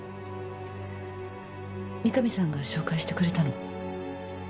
三上さんが紹介してくれたの。